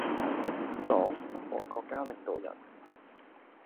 黨和國家領導人